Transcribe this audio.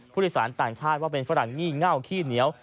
ผู้โดยสารต่างชาติว่าเป็นฝรั่งงี่เง่าขี้เหนียว